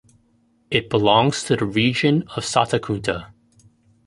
It belongs to the region of Satakunta.